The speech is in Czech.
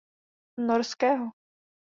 Norského.